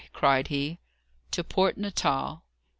cried he. "To Port Natal."